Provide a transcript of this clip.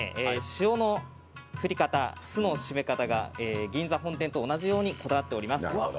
塩の振り方酢の締め方が銀座本店と同じようにこだわっております。